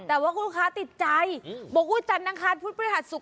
แต่ว่าคุณลูกค้าติดใจอืมบกฤตจันทร์นางคารพุทธประหารสุข